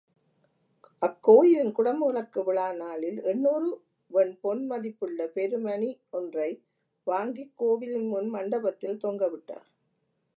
அக்கோயிலின் குடமுழக்கு விழா நாளில் எண்ணுாறு வெண்பொன் மதிப்புள்ள பெருமனி ஒன்றை வாங்கிக் கோவிலின் முன் மண்டபத்தில் தொங்கவிட்டார்.